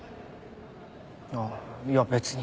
ああいや別に。